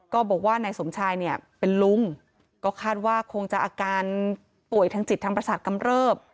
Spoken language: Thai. ก็บอกว่านายสมชายเนี่ยเป็นลุงก็คาดว่าคงจะอาการป่วยทางจิตทางประสาทกำเริบ